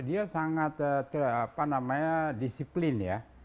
dia sangat disiplin ya